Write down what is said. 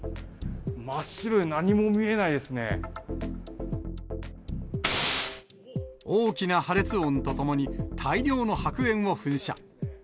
真っ白で、何も見えな大きな破裂音とともに、大量の白煙を噴射。